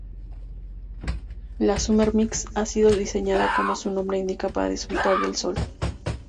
La "Summer Mix", ha sido diseñada como su nombre indica para disfrutar del sol.